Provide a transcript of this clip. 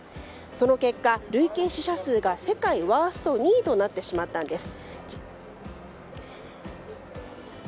その結果、累計死者数が世界ワースト２位となってしまったんです。